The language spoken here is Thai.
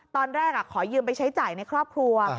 ขอยืมไปใช้จ่ายในครอบครัว